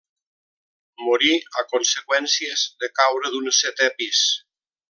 Morí a conseqüències de caure d'un setè pis.